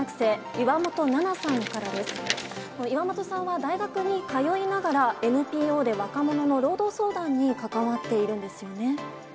岩本さんは大学に通いながら、ＮＰＯで若者の労働相談に関わっているんですよね。